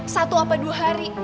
satu apa dua hari